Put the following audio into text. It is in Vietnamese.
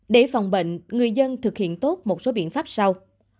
để phòng bệnh người dân thực hiện tốt một số biện pháp sau